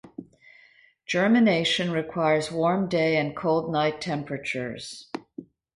Germination requires warm day and cold night temperatures.